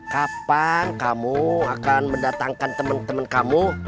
kapan kamu akan mendatangkan teman teman kamu